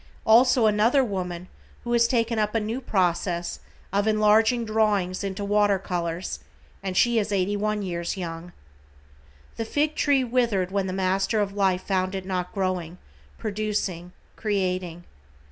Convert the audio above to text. Also another woman who has taken up a new process of enlarging drawings into water colors and she is eighty one years young. The fig tree withered when the Master of Life found it not growing, producing, creating.